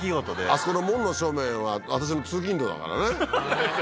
あそこの門の正面は私の通勤路だからね。